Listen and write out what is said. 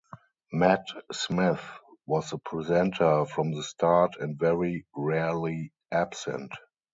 Matt Smith was the presenter from the start and very rarely absent.